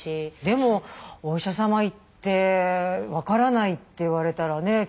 でもお医者様行って分からないって言われたらね